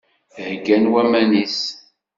Heggan waman-is.